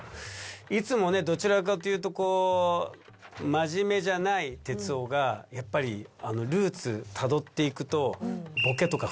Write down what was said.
いつもねどちらかというとこう真面目じゃない哲夫がやっぱりルーツたどっていくと。